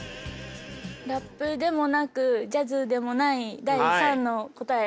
ラップでもなくジャズでもない第３の答え？